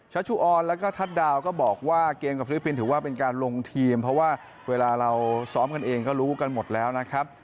ชุออนแล้วก็ทัศน์ดาวก็บอกว่าเกมกับฟิลิปปินส์ถือว่าเป็นการลงทีมเพราะว่าเวลาเราซ้อมกันเองก็รู้กันหมดแล้วนะครับ